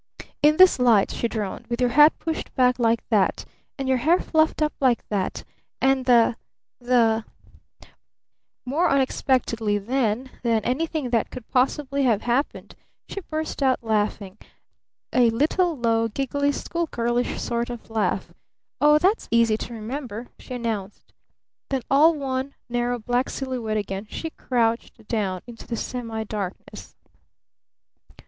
"'In this light,'" she droned, "'with your hat pushed back like that and your hair fluffed up like that and the the '" More unexpectedly then than anything that could possibly have happened she burst out laughing a little low, giggly, school girlish sort of laugh. "Oh, that's easy to remember!" she announced. Then, all one narrow black silhouette again, she crouched down into the semi darkness.